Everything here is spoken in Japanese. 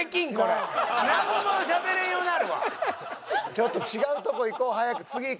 ちょっと違うとこいこう早く次い